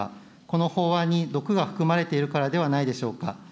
この法案に毒が含まれているからではないでしょうか。